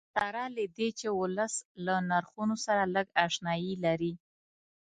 سره له دې چې ولس له نرخونو سره لږ اشنایي لري.